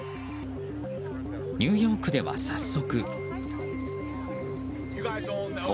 ニューヨークでは早速。